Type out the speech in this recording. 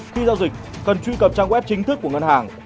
khi giao dịch cần truy cập trang web chính thức của ngân hàng